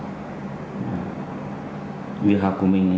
chị nghỉ học từ bao giờ